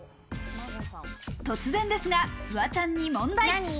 突然ですが、フワちゃんに問題。